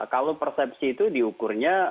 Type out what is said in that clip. kalau persepsi itu diukurnya